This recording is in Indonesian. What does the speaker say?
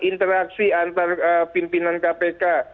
interaksi antar pimpinan kpk